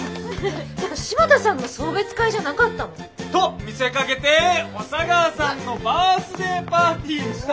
ていうか柴田さんの送別会じゃなかったの？と見せかけて小佐川さんのバースデーパーティーでした！